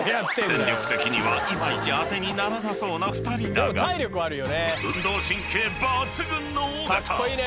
［戦力的にはいまいち当てにならなそうな２人だが運動神経抜群の尾形］